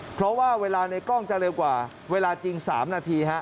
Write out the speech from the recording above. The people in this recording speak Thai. เพราะว่าเวลาในกล้องจะเร็วกว่าเวลาจริง๓นาที